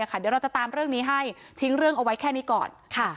เดี๋ยวเราจะตามเรื่องนี้ให้ทิ้งเรื่องเอาไว้แค่นี้ก่อน